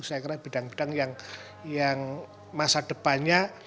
saya kira bidang bidang yang masa depannya